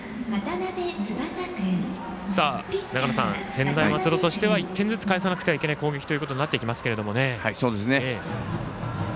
専大松戸としては１点ずつ返さなくてはいけない攻撃ということになってきますね。